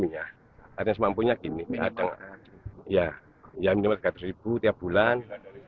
yang menyebutkan rp tiga tiap bulan